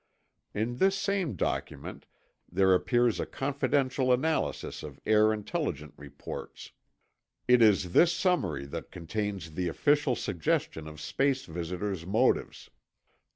In this same document there appears a confidential analysis of Air intelligence reports. It is this summary that contains the official suggestion Of. space visitors' motives.